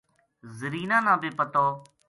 زرینا نا بے پَتو